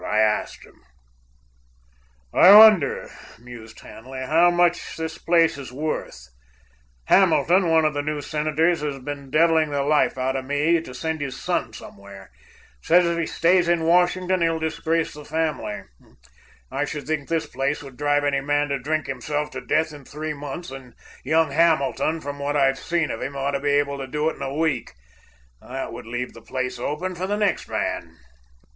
I asked him." "I wonder," mused Hanley, "how much the place is worth? Hamilton, one of the new senators, has been deviling the life out of me to send his son somewhere. Says if he stays in Washington he'll disgrace the family. I should think this place would drive any man to drink himself to death in three months, and young Hamilton, from what I've seen of him, ought to be able to do it in a week. That would leave the place open for the next man."